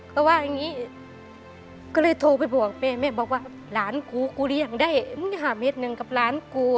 เขาว่าอย่างนี้ก็เลยโทรไปบอกแม่แม่บอกว่าหลานกูกูเลี้ยงได้มึง๕เมตรหนึ่งกับหลานกู